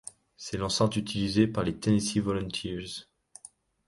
C'est l'enceinte utilisée par les Tennessee Volunteers.